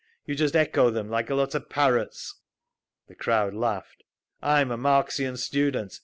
You just echo them like a lot of parrots." The crowd laughed. "I'm a Marxian student.